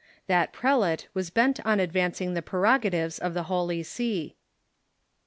That prelate was bent on advancing the prerogatives of the Holy See.